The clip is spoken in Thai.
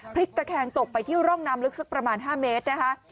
พลิกตะแคงตกไปที่ร่องน้ำลึกสักประมาณ๕เมตรนะคะ